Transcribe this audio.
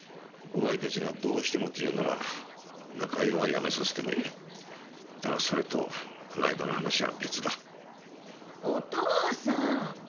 お前たちがどうしてもと言うなら仲居は辞めさせてもいいだがそれとこの間の話は別だお父さん！